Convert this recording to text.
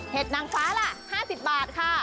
นางฟ้าล่ะ๕๐บาทค่ะ